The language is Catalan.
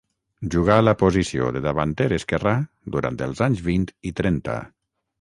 Jugà a la posició de davanter esquerrà durant els anys vint i trenta.